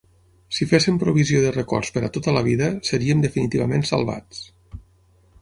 Si féssim provisió de records per a tota la vida, seríem definitivament salvats.